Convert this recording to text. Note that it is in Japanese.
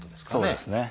そうですね。